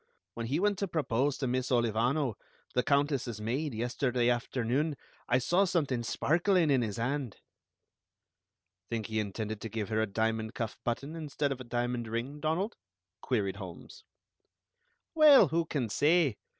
When he went to propose to Miss Olivano, the Countess's maid, yesterday afternoon, I saw something sparkling in his hand." "Think he intended to give her a diamond cuff button, instead of a diamond ring, Donald?" queried Holmes. "Well, who can say?